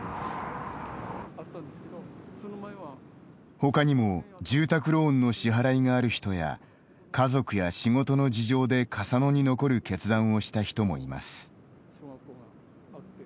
他にも、住宅ローンの支払いがある人や家族や仕事の事情で笠野に残る決断をした人もいます。